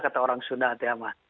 kata orang sunda